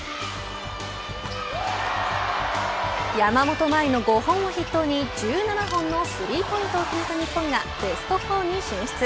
山本麻衣の５本を筆頭に１７本のスリーポイントを決めた日本がベスト４に進出。